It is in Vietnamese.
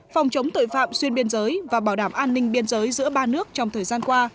phòng chống tội phạm xuyên biên giới và bảo đảm an ninh biên giới giữa ba nước trong thời gian qua